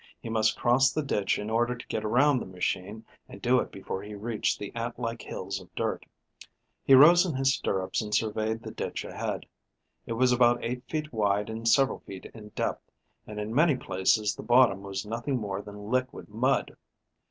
He must cross the ditch in order to get around the machine and do it before he reached the ant like hills of dirt. He rose in his stirrups and surveyed the ditch ahead. It was about eight feet wide and several feet in depth, and in many places the bottom was nothing more than liquid mud.